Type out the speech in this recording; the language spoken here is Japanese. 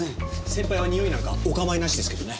先輩はにおいなんかお構いなしですけどね。